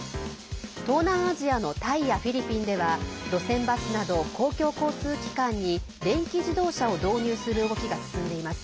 東南アジアのタイやフィリピンでは路線バスなど公共交通機関に電気自動車を導入する動きが進んでいます。